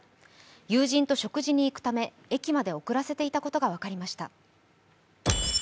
友人と食事に行くため駅まで送らせていたことが分かりました。